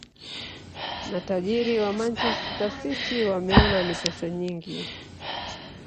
matajiri wa manchester city wameona ni pesa nyingi